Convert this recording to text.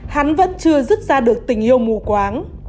hắn vẫn chưa dứt ra được tình yêu mù quáng